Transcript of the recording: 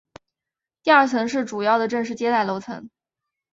第二层是主要的正式接待楼层。